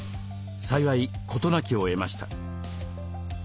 幸い事なきを得ました。